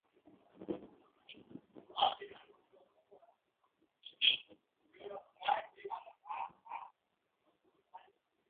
বর্তমান প্রস্তাব মেনে চলা নিশ্চিত করতে কাউন্সিল আবার বৈঠক করার সিদ্ধান্ত নেয়।